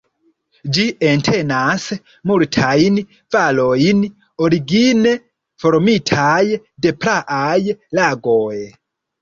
Ĝi entenas multajn valojn origine formitaj de praaj lagoj.